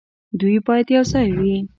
دوی باید یوځای وي.